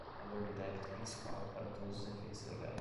valor do débito principal, para todos os efeitos legais.